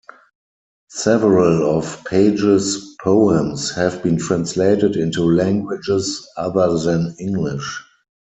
Several of Page's poems have been translated into languages other than English.